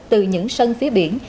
từ những sân phía biển